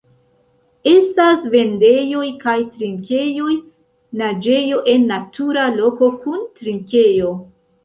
Estas vendejoj kaj trinkejoj, naĝejo en natura loko kun trinkejo.